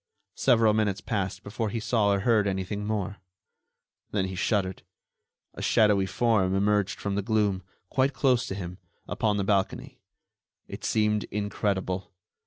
Several minutes passed before he saw or heard anything more. Then he shuddered; a shadowy form emerged from the gloom, quite close to him, upon the balcony. It seemed incredible.